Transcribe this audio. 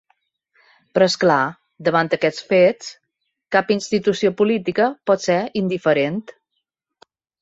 Però és clar, davant aquests fets, cap institució política pot ser indiferent.